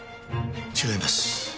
違います。